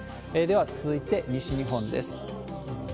では、続いて西日本です。